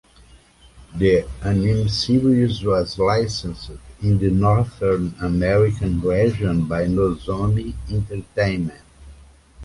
The anime series was licensed in the Northern American region by Nozomi Entertainment.